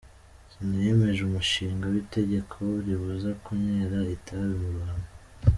Sena yemeje umushinga w’itegeko ribuza kunywera itabi mu ruhame